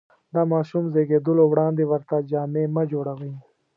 د ماشوم زېږېدلو وړاندې ورته جامې مه جوړوئ.